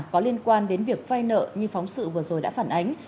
có liên quan đến việc vai nợ như phóng sự vừa rồi đã phản ánh